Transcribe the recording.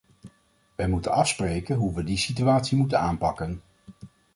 Wij moeten afspreken hoe wij die situatie moeten aanpakken.